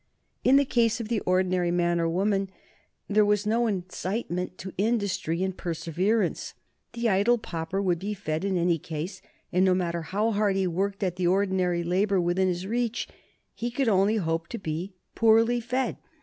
In the case of the ordinary man or woman there was no incitement to industry and perseverance. The idle pauper would be fed in any case, and no matter how hard he worked at the ordinary labor within his reach he could only hope to be poorly fed.